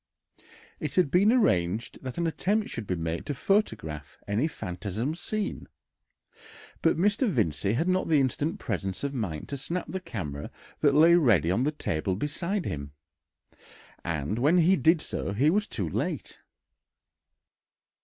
It had been arranged that an attempt should be made to photograph any phantasm seen, but Mr. Vincey had not the instant presence of mind to snap the camera that lay ready on the table beside him, and when he did so he was too late.